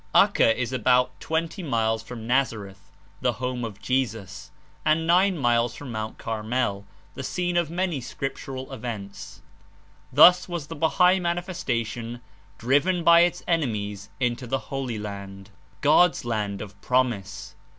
Acca is about twenty miles from Nazareth, the home of Jesus, and nine miles from Mt. Carmel, the scene of many scriptural events. Thus was the Bahai Man ifestation driven by its enemies into the Holy Land, 5S God's Land of Promise.